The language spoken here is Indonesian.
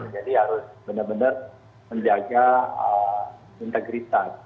jadi harus benar benar menjaga integritas